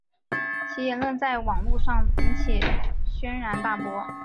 其言论在网路上引起轩然大波。